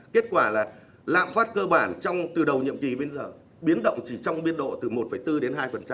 kết quả là lạm phát cơ bản từ đầu nhiệm kỳ đến giờ biến động chỉ trong biên độ từ một bốn đến hai